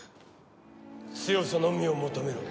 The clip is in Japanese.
強さのみを求めろ。